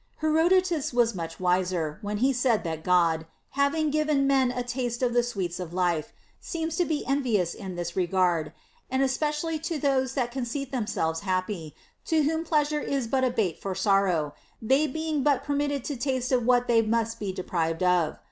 Hero dotus was much wiser, when he said that God, having given men a taste of the sweets of life, seems to be en vious in this regard,* and especially to those that conceit themselves happy, to whom pleasure is but a bait for sor row, they being but permitted to taste of what they must be deprived of.